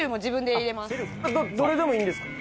どれでもいいんですか？